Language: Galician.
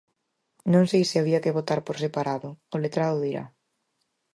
Non sei se había que votar por separado, o letrado dirá.